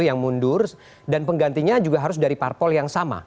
yang mundur dan penggantinya juga harus dari parpol yang sama